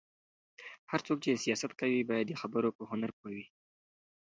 هر څوک چې سياست کوي، باید د خبرو په هنر پوه وي.